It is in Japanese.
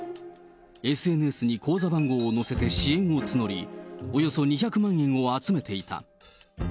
ＳＮＳに口座番号を載せて支援を募り、およそ２００万円を集めていた。